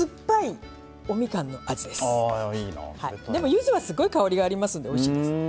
ゆずはすごい香りがありますんでおいしいです。